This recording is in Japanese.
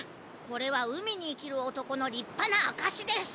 これは海に生きる男のりっぱなあかしです。